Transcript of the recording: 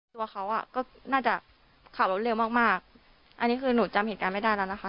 ตัวเขาอ่ะก็น่าจะขับรถเร็วมากมากอันนี้คือหนูจำเหตุการณ์ไม่ได้แล้วนะคะ